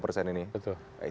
terima kasih pak wiwi